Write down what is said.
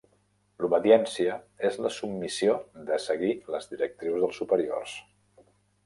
L'obediència és la submissió de seguir les directrius dels superiors.